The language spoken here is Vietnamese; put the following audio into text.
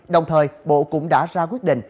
đồng thời bộ cũng đã ra quyết định